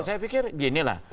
saya pikir beginilah